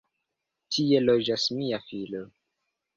Tie loĝas mia filo.